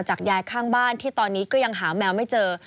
ยายข้างบ้านที่ตอนนี้ก็ยังหาแมวไม่เจอ